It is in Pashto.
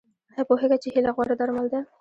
ایا پوهیږئ چې هیله غوره درمل ده؟